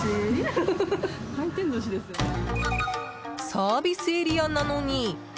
サービスエリアなのに。